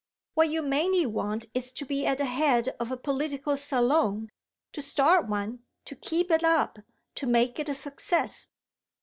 What you mainly want is to be at the head of a political salon; to start one, to keep it up, to make it a success."